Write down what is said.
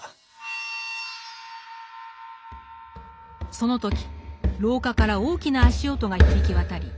その時廊下から大きな足音が響き渡り